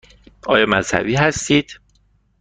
آیا مذهبی هستید؟